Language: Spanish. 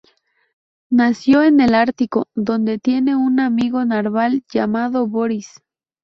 Nació en el Ártico, donde tiene un amigo narval llamado Boris.